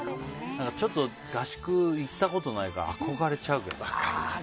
ちょっと合宿行ったことないから憧れちゃうけどね。